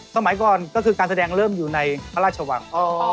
สมัยก่อนก็คือการแสดงเริ่มอยู่ในพระราชวัง